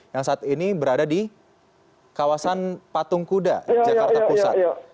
yang saat ini berada di kawasan patung kuda jakarta pusat